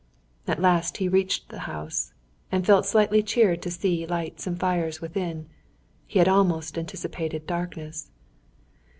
At last he reached the house, and felt slightly cheered to see lights and fires within. He had almost anticipated darkness.